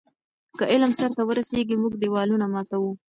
که علم سرته ورسیږي، موږ دیوالونه ماتوو.